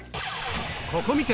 ここ観て！